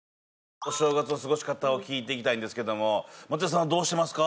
お正月の過ごし方を聞いていきたいんですけども松也さんはどうしてますか？